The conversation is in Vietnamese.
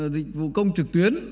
dịch vụ công trực tuyến